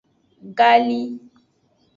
Gali.